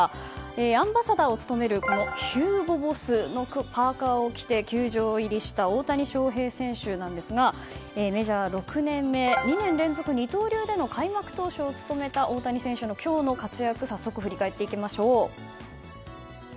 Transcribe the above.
アンバサダーを務めるＨＵＧＯＢＯＳＳのパーカを着て球場入りした大谷翔平選手ですがメジャー６年目２年連続二刀流での開幕投手を務めた大谷投手の今日の活躍を早速、振り返っていきましょう。